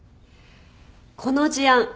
この事案